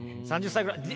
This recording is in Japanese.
３０歳ぐらい。